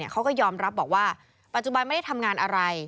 เขาก็ยอมรับบอกว่าปัจจุบันไม่ได้ทำงานอะไร